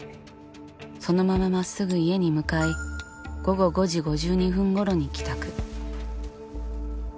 そのまままっすぐ家に向かい午後５時５２分ごろに帰宅。